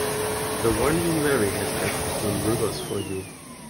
The one you marry has got to swim rivers for you!